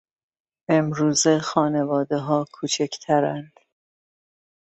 امروزه خانوادهها کوچکترند.